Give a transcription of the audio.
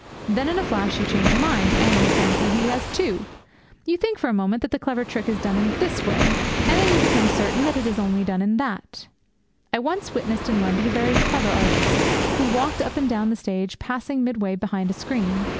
Then, in a flash, you change your mind, and you fancy he has two! You think for a moment that the clever trick is done in this way, and then you become certain that it is done in that! I once witnessed in London a very clever artist, who walked up and down the stage, passing midway behind a screen.